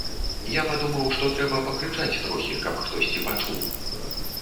Я падумаў, што трэба пакрычаць трохі, каб хтосьці пачуў.